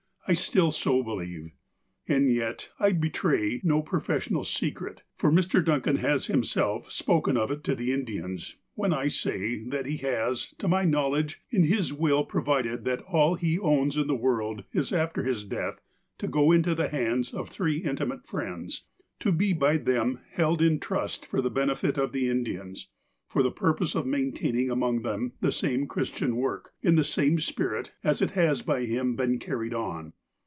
I still so believe. And yet, I betray no professional secret, for Mr. Dun can has himself spoken of it to the Indians, when I say, that he has, to my knowledge, in his will provided that all he owns in the world is after his death to go into the hands of three intimate friends, to be by them held in trust for the benefit of the Indians, for the purpose of maintaining among them the same Christian work, in the same spirit as it has by him been carried on.